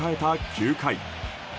９回。